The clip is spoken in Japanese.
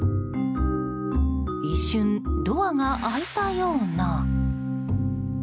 一瞬ドアが開いたような？